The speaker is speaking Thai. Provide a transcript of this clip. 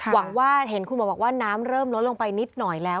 หวังว่าเห็นคุณหมอบอกว่าน้ำเริ่มลดลงไปนิดหน่อยแล้ว